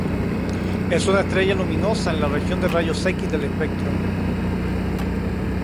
Es una estrella luminosa en la región de rayos X del espectro.